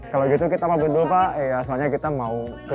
kalau gitu kita mau bantu pak soalnya kita mau geling geling ya pak